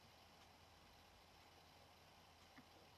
isming singari